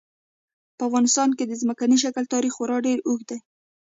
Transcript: په افغانستان کې د ځمکني شکل تاریخ خورا ډېر اوږد دی.